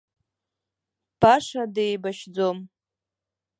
Баша деибашьӡом.